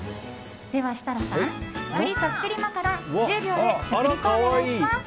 では、設楽さん栗そっくりマカロン１０秒で食リポお願いします。